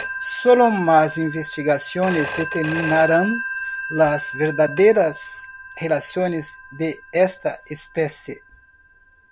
Solo más investigaciones determinarán las verdaderas relaciones de esta especie.